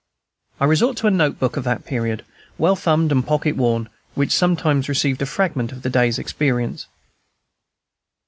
I resort to a note book of that period, well thumbed and pocket worn, which sometimes received a fragment of the day's experience.